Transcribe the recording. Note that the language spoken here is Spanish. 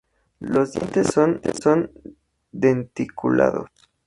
Los dientes son denticulados.